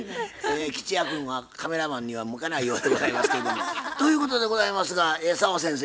え吉弥君はカメラマンには向かないようでございますけれども。ということでございますが澤先生